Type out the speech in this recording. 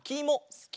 すき！